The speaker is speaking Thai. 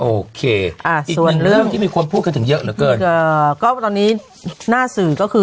โอเคอีกหนึ่งเรื่องที่คุณถือเรื่องก็คือ